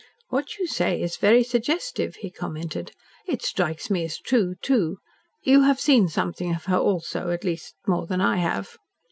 "What you say is very suggestive," he commented. "It strikes me as true, too. You have seen something of her also, at least more than I have."